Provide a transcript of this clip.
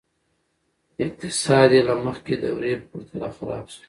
اقتصاد یې له مخکې دورې په پرتله خراب شو.